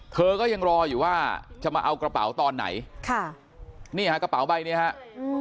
เธอก็ยังรออยู่ว่าจะมาเอากระเป๋าตอนไหนค่ะนี่ฮะกระเป๋าใบเนี้ยฮะอืม